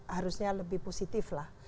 harusnya lebih positif lah